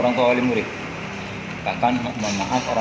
di sekolah baru dikoneksi di sekolah baru